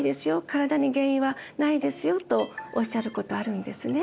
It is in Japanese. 体に原因はないですよ」とおっしゃることあるんですね。